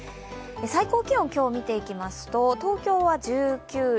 最高気温、今日、見ていきますと東京は１９．２度。